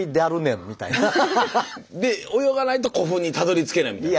で泳がないと古墳にたどりつけないみたいな。